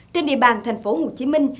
trên địa bàn thành phố hồ chí minh